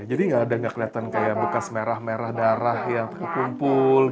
jadi tidak ada yang tidak kelihatan seperti bekas merah merah darah yang terkumpul